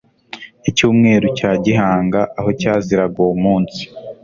icyumweru cya gihanga aho cyaziraga uwo munsi